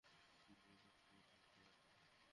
তুমি আমাকে পুতুলের মতো সাজাও।